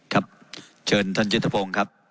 ครับเชิญท่านจิตภงครับ